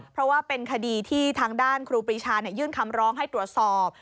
เพราะว่าเป็นคดีที่ทางด้านครูปรีชายื่นคำร้องให้ตรวจสอบ